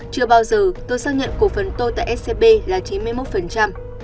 chưa bao giờ tôi xác nhận cổ phần tôi tại scb là chín mươi một